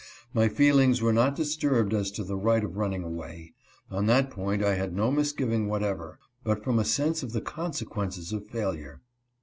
My feelings were not disturbed as to the right of running away ; on that point I had no misgiving whatever, but from a sense of the consequences of failure.